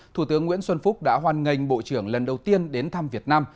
thủ tướng nguyễn xuân phúc đã hoan nghênh bộ trưởng lần đầu tiên đến thăm việt nam